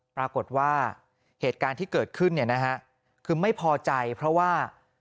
ปรากฏว่าเหตุการณ์ที่เกิดขึ้นเนี่ยนะฮะคือไม่พอใจเพราะว่า